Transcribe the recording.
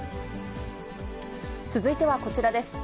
続いてはこちらです。